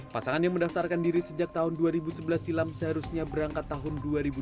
pasangan yang mendaftarkan diri sejak tahun dua ribu sebelas silam seharusnya berangkat tahun dua ribu dua puluh